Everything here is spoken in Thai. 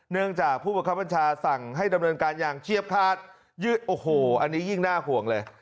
เนื่องจากผู้บังคับบัญชาสั่งให้ดำเนินการอย่างเชียบคาดโอ้โหอันนี้ยิ่งน่าห่วงเลย